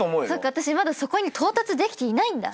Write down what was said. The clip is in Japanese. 私まだそこに到達できていないんだ。